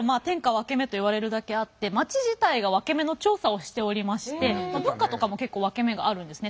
ワケメと言われるだけあって町自体がワケメの調査をしておりまして文化とかも結構ワケメがあるんですね。